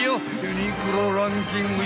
［ユニクロランキング